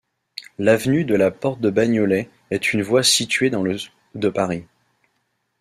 L'avenue de la Porte-de-Bagnolet est une voie située dans le de Paris.